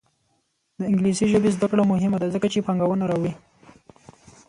د انګلیسي ژبې زده کړه مهمه ده ځکه چې پانګونه راوړي.